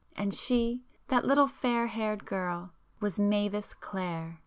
And she—that little fair haired girl,—was Mavis Clare."